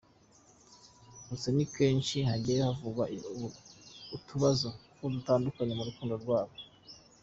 Gusa ni na kenshi hagiye havugw utubazo dutandukanye mu rukundo rwabo.